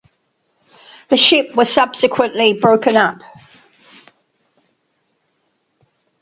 The ship was subsequently broken up.